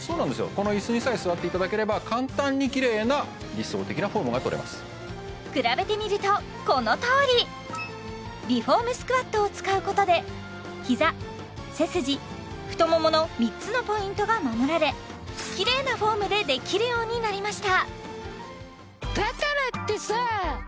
この椅子にさえ座っていただければ比べてみるとこのとおり美フォームスクワットを使うことで膝背筋太ももの３つのポイントが守られきれいなフォームでできるようになりました